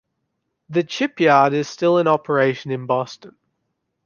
The Chipyard is still in operation in Boston.